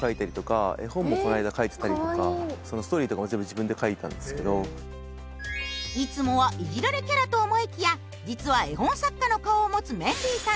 絵を描いたりとかこないだいつもはイジられキャラと思いきや実は絵本作家の顔を持つメンディーさん。